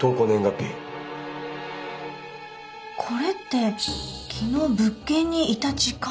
これって昨日物件にいた時間。